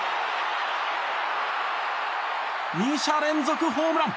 ２者連続ホームラン！